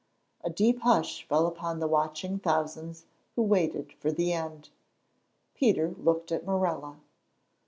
A deep hush fell upon the watching thousands who waited for the end. Peter looked at Morella.